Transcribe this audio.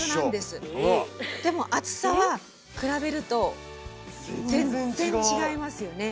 でも厚さは比べると全然違いますよね。